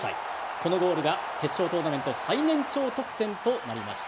このゴールが決勝トーナメント最年長得点となりました。